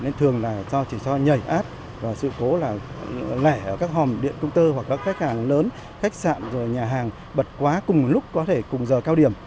chỉ do nhảy át và sự cố là lẻ ở các hòm điện công tơ hoặc các khách hàng lớn khách sạn nhà hàng bật quá cùng lúc có thể cùng giờ cao điểm